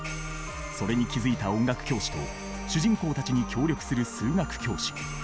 それに気付いた音楽教師と主人公たちに協力する数学教師。